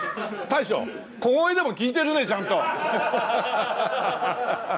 大将小声でも聞いてるねちゃんと。